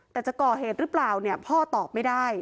แต่จะก่อเหตุหรือเปล่าเนี่ยพ่อตอบไม่ได้